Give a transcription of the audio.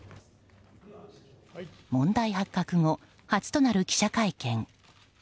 問題発覚後初となる記者会見。